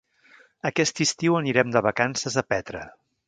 Aquest estiu anirem de vacances a Petra.